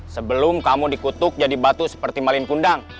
sebelum kamu dikutuk jadi batu seperti malin kundang